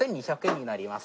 ６２００円？